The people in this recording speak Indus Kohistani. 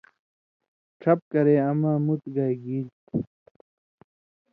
ڇھپ کرے اما مُت گائ گیلیۡ تُھو۔